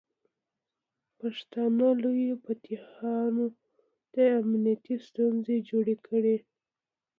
پښتانه لویو فاتحینو ته امنیتي ستونزې جوړې کړې.